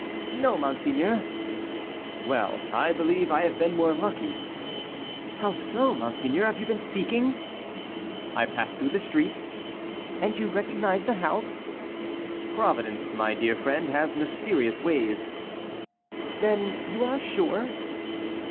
"No, monseigneur." "Well, I believe I have been more lucky." "How so, monsieur, have you been seeking?" "I passed through the street." "And you recognized the house?" "Providence, my dear friend, has mysterious ways." "Then you are sure?"